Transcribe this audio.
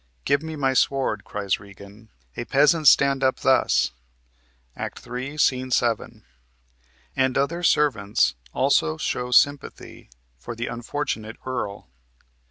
"Give me my sword," cries Regan. "A peasant stand up thus!" (Act 3, Sc. 7). And other servants also show sympathy for the unfortunate earl.